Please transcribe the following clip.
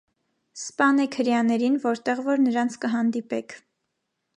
Սպանեք հրեաներին, որտեղ որ նրանց կհանդիպեք։